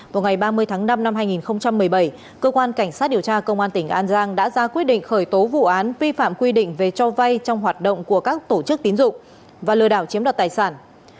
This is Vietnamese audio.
vào ngày ba mươi tháng năm năm hai nghìn một mươi bảy cơ quan cảnh sát điều tra công an tỉnh an giang đã ra quyết định khởi tố vụ án vi phạm quy định về cho vay trong hoạt động của các tổ chức tín dụng và lừa đảo chiếm đoạt tài sản